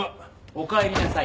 おかえりなさい。